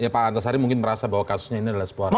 pak antasari mungkin merasa bahwa kasusnya ini adalah sebuah